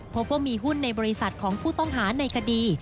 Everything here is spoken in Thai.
พบว่ามีหุ้นในบริษัทของผู้ต้องหาในคดี